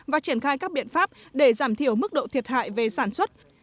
và triển khai các biện pháp để giảm thiểu mức độ thiệt hại về sản xuất